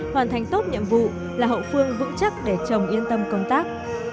hoàn thành tốt nhiệm vụ là hậu phương vững chắc để chồng yên tâm công tác